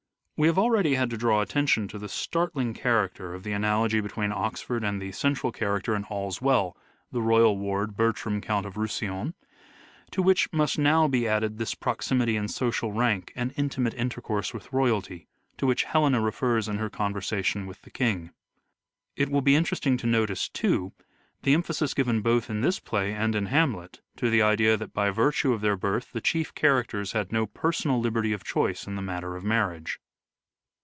We have already had to draw attention to the startling character of the analogy between Oxford and the central character 247 in " All's Well," the royal ward, Bertram Count of Roussilon, to which must now be added this proximity in social rank and intimate intercourse with royalty, to which Helena refers in her conversation with the King. It will be interesting to notice, too, the em phasis given both in this play and in " Hamlet " to the idea that by virtue of their birth the chief characters had no personal liberty of choice in the matter of marriage.